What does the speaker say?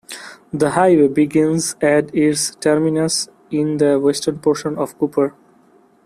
The highway begins at its terminus in the western portion of Cooper.